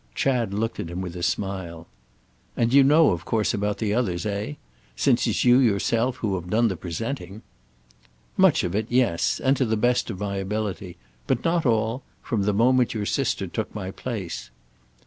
Chad looked at him with a smile. "And you know of course about the others, eh?—since it's you yourself who have done the presenting." "Much of it—yes—and to the best of my ability. But not all—from the moment your sister took my place."